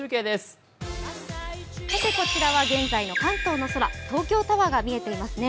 こちらは現在の関東の空、東京タワーが見えていますね。